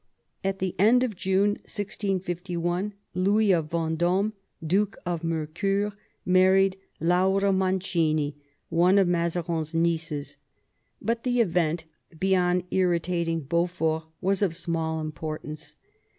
At the end of June 1651 Louis of Venddme, Duke of Mercosur, married Laura Mancini, one of Mazarin's nieces ; but the event, beyond irritating Beau fort, was of small importance.